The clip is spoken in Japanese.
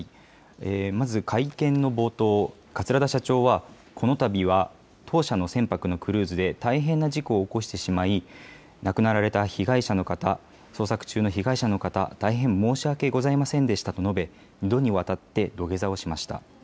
まず会見の冒頭、桂田社長はこのたびは当社の船舶のクルーズで大変な事故を起こしてしまい亡くなられた被害者の方、捜索中の被害者の方、大変申し訳ございませんでしたと述べ二度にわたって土下座をしました。